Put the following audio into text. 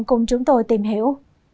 hãy cùng chúng tôi tìm hiểu